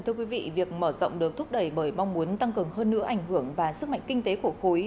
thưa quý vị việc mở rộng được thúc đẩy bởi mong muốn tăng cường hơn nữa ảnh hưởng và sức mạnh kinh tế của khối